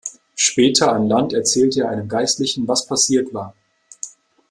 Später an Land erzählte er einem Geistlichen, was passiert war.